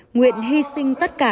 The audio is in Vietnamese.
nguyện hy sinh tất cả